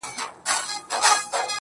ته مي د ښكلي يار تصوير پر مخ گنډلی.